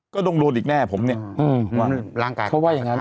ก็ดุงโรนอีกแน่ผมเนี้ยอืมหลางกากเพราะว่าอย่างงั้น